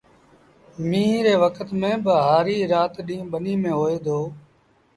ميݩهن ري وکت ميݩ با هآريٚ رآت ڏيݩهݩ ٻنيٚ ميݩ هوئي دو